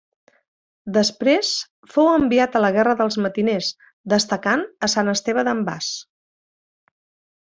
Després fou enviat a la guerra dels matiners, destacant a Sant Esteve d'en Bas.